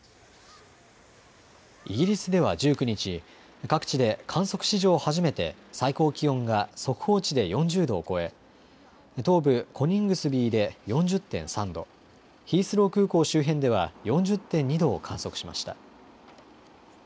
イギリスでは１９日、各地で観測史上初めて最高気温が速報値で４０度を超え東部コニングスビーで４０．３度、ヒースロー空港周辺では４０．２度を観測しました。